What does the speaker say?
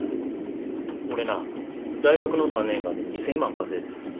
俺な大学の３年間で２，０００万稼いでん。